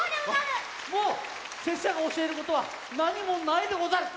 もうせっしゃのおしえることはなにもないでござる！